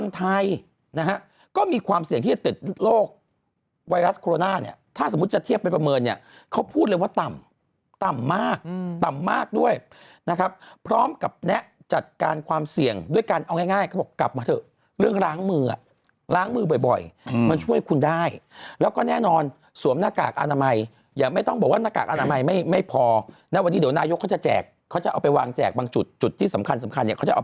ถ้าเทียบเป็นประเมินเนี่ยเขาพูดเลยว่าต่ำต่ำมากต่ำมากด้วยนะครับพร้อมกับแนะจัดการความเสี่ยงด้วยการเอาง่ายก็บอกกลับมาเถอะเรื่องล้างมือล้างมือบ่อยมันช่วยคุณได้แล้วก็แน่นอนสวมหน้ากากอนามัยอย่าไม่ต้องบอกว่าหน้ากากอนามัยไม่พอนะวันนี้เดี๋ยวนายกเขาจะแจกเขาจะเอาไปวางแจกบางจุดจุดที่สำคัญเขาจะเอา